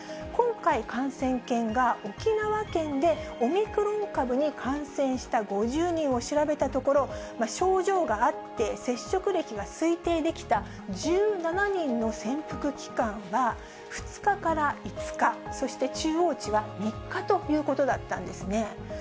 今回、感染研が沖縄県でオミクロン株に感染した５０人を調べたところ、症状があって、接触歴が推定できた１７人の潜伏期間は、２日から５日、そして中央値は３日ということだったんですね。